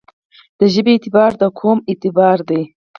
د ژبې اعتبار دقوم اعتبار دی.